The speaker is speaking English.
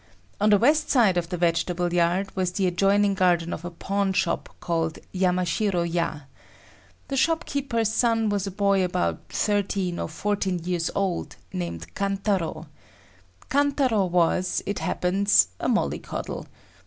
On the west side of the vegetable yard was the adjoining garden of a pawn shop called Yamashiro ya. This shopkeeper's son was a boy about 13 or 14 years old named Kantaro. Kantaro was, it happens, a mollycoddle.